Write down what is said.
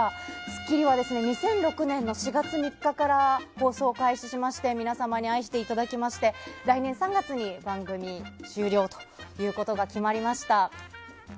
「スッキリ」は２００６年の４月３日から放送開始しまして皆様に愛していただきまして来年３月に番組終了ということが決まりました。